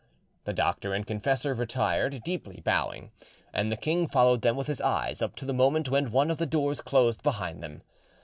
The doctor and confessor retired, deeply bowing, and the king followed them with his eyes up to the moment when one of the doors closed behind them.